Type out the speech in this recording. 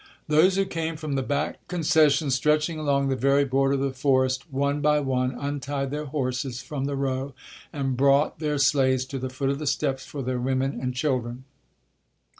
Those who came from the back concessions, stretching along the very border of the forest, one by one untied their horses from the row and brought their sleighs to the foot of the steps for their women and children.